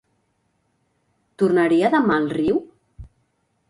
Tornaria demà al riu?